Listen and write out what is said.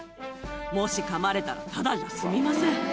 もしかまれたらただじゃ済みません。